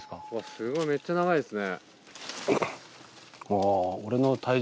すごいめっちゃ長いですね。